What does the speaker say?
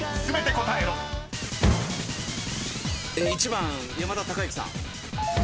１番山田孝之さん。